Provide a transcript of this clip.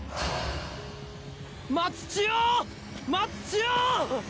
松千代！松千代！